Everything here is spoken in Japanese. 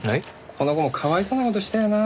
この子もかわいそうな事したよな。